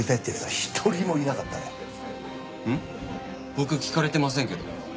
僕聞かれてませんけど。